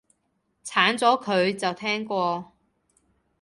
鏟咗佢，就聽過